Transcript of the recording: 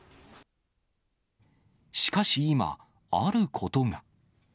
しかし今、あることが。